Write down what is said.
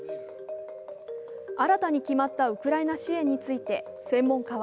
新たに決まったウクライナ支援について専門家は